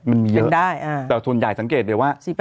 มันมีเยอะเป็นได้อ่าแต่ส่วนใหญ่สังเกตเดี๋ยวว่าสี่แปด